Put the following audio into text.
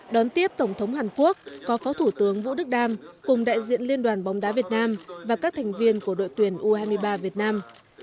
đón tiếp tổng thống hàn quốc có phó thủ tướng vũ đức đam cùng đại diện liên đoàn bóng đá việt nam và các thành viên của đội tuyển u hai mươi ba việt nam